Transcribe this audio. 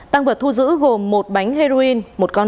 tăng vật thu giữ gồm một bánh heroin